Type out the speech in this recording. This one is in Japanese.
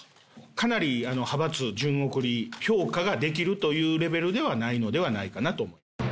かなり派閥順送り、評価ができるというレベルではないのではないかなと。